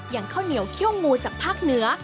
ข้าวเหนียวเขี้ยวงูจากภาคเหนือ